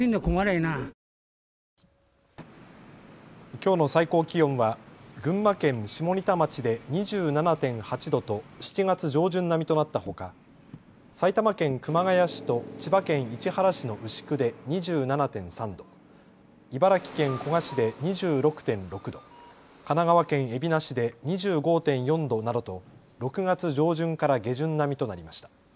きょうの最高気温は群馬県下仁田町で２７．８度と７月上旬並みとなったほか埼玉県熊谷市と千葉県市原市の牛久で２７．３度、茨城県古河市で２６．６度、神奈川県海老名市で２５．４度などと６月上旬から下旬並みとなりました。